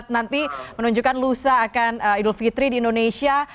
kalau misalnya isbad nanti menunjukkan lusa akan idul fitri di indonesia